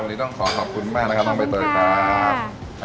วันนี้ต้องขอขอบคุณมากนะคะต้องไปเติบตาค่ะ